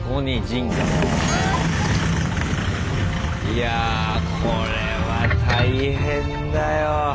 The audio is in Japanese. いやこれは大変だよ。